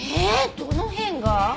どの辺が？